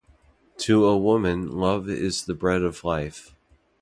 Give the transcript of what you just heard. To a woman love is the bread of life.